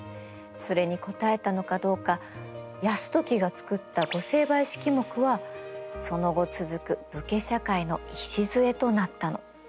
それに答えたのかどうか泰時が作った御成敗式目はその後続く武家社会の礎となったの。